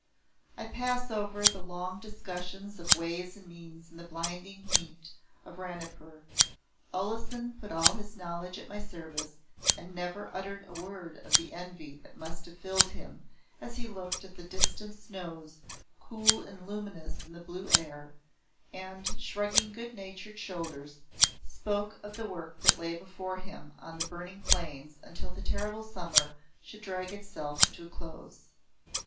I pass over the long discussions of ways and means in the blinding heat of Ranipur. Olesen put all his knowledge at my service and never uttered a word of the envy that must have filled him as he looked at the distant snows cool and luminous in blue air, and, shrugging good natured shoulders, spoke of the work that lay before him on the burning plains until the terrible summer should drag itself to a close.